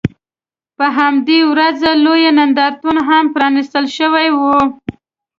په همدې ورځ لوی نندارتون هم پرانیستل شوی و.